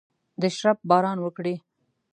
د شرپ باران وکړي